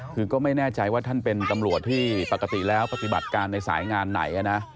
คือก็ไม่แน่ใจว่าท่านเป็นตำรวจที่ปกติแล้วปฏิบัติการในสายงานไหนนะ